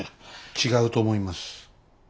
違うと思います。